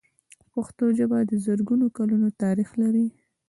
پښتو ژبه د زرګونو کلونو تاریخ لري.